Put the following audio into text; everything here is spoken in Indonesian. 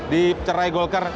di cerai golkar